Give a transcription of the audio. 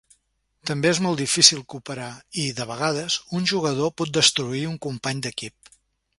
També és molt difícil cooperar, i, de vegades, un jugador pot destruir un company d'equip.